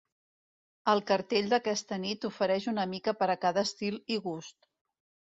El cartell d’aquesta nit ofereix una mica per a cada estil i gust.